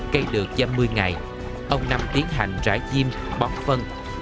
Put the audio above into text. cây được dăm mươi ngày ông năm tiến hành rải diêm bóp phân